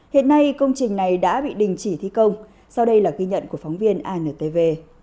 hiện nay công trình này đã bị đình chỉ thi công sau đây là ghi nhận của phóng viên antv